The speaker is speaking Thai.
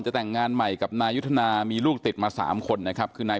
แต่งงานใหม่กับนายุทธนามีลูกติดมา๓คนนะครับคือนาย